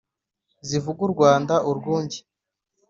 zivuga i rwanda urwunge,